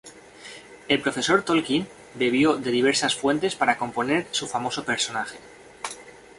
El profesor Tolkien bebió de diversas fuentes para componer su famoso personaje.